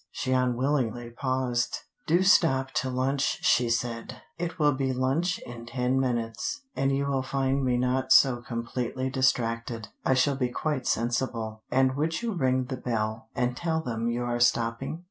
She unwillingly paused. "Do stop to lunch," she said, "it will be lunch in ten minutes, and you will find me not so completely distracted. I shall be quite sensible, and would you ring the bell and tell them you are stopping?